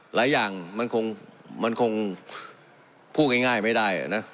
หลายอย่างมันคงพูดง่ายไม่ได้นะ